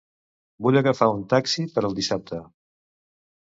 Vull agafar un taxi per al dissabte.